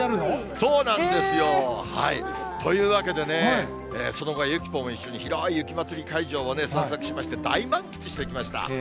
そうなんですよ。というわけでね、その後、ゆきポも一緒に広い雪まつり会場を散策しまして、大満喫してきました。